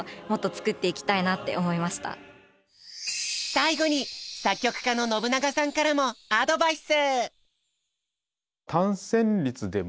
最後に作曲家の信長さんからもアドバイス！